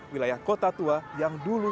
wilayah kota tua yang dulu